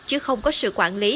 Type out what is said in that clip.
chứ không có sự quản lý